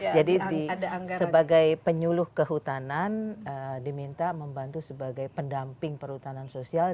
jadi sebagai penyuluh kehutanan diminta membantu sebagai pendamping perhutanan sosial